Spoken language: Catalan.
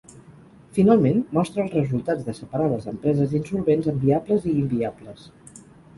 Finalment, mostra els resultats de separar les empreses insolvents en viables i inviables.